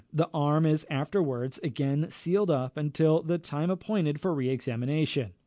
The arm is afterwards again sealed up until the time appointed for a re examination.